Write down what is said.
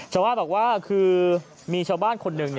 ชาวบ้านบอกว่าคือมีชาวบ้านคนหนึ่ง